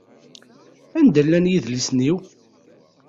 Anda llan yedlisen-iw?